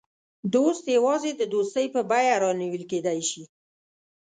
دوست یوازې د دوستۍ په بیه رانیول کېدای شي.